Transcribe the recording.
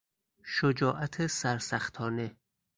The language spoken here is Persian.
شجاعت سرسختانه